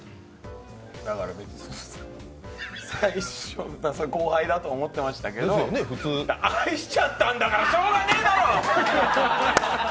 だから、最初、後輩だと思ってましたけど愛しちゃったんだからしようがねぇだろ！